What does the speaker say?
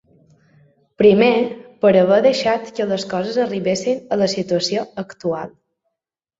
Primer, per haver deixat que les coses arribessin a la situació actual.